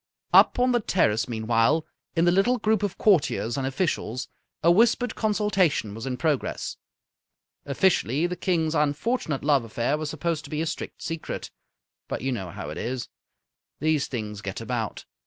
Up on the terrace, meanwhile, in the little group of courtiers and officials, a whispered consultation was in progress. Officially, the King's unfortunate love affair was supposed to be a strict secret. But you know how it is. These things get about.